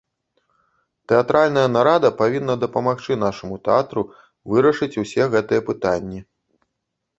Тэатральная нарада павінна дапамагчы нашаму тэатру вырашыць усе гэтыя пытанні.